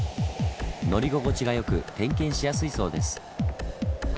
乗り心地が良く点検しやすいそうです。